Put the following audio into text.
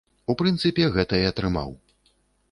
У прынцыпе, гэта і атрымаў!